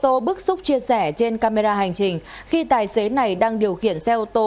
tài xế ô tô bức xúc chia sẻ trên camera hành trình khi tài xế này đang điều khiển xe ô tô